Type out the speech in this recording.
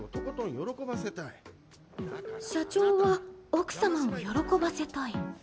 社長は奥様を喜ばせたい。